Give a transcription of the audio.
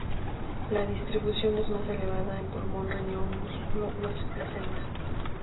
La distribución es más elevada en pulmón, riñón, músculo, hueso y placenta.